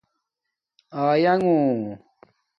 آینونݣ